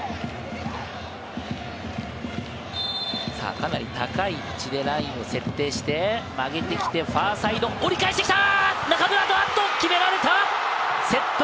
かなり高い位置でラインを設定して曲げてきて、ファーサイドを折り返してきた！